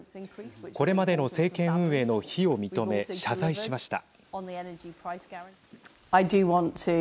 これまでの政権運営の非を認め謝罪しました。